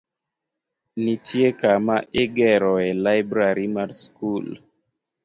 Nitie kama igeroe laibrari mar skul.